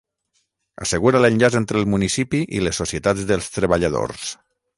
Assegura l'enllaç entre el municipi i les societats dels treballadors.